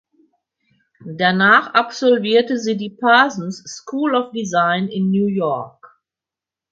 Danach absolvierte sie die Parsons School of Design in New York.